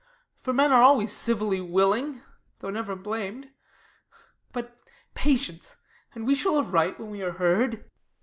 For men are always civilly willing. Though ever blam'd. But, patience ! and we shall Have right when we are heard.